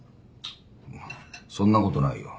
そんなことないよ。